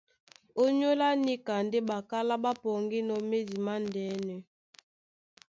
Ónyólá níka ndé ɓakálá ɓá pɔŋgínɔ̄ médi mándɛ́nɛ.